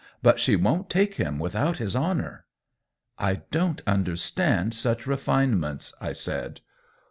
But she won't take him without his honor." " I don't understand such refinements !" I said.